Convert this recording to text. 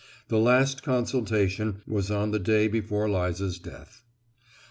The last consultation was on the day before Liza's death.